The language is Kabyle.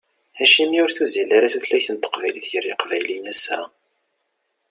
Acimi ur tuzzil ara tutlayt n teqbaylit gar yiqbayliyen ass-a?